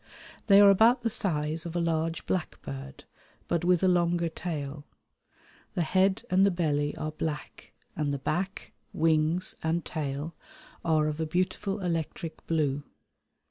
They are about the size of a large blackbird, but with a longer tail. The head and the belly are black and the back, wings, and tail are of a beautiful electric blue.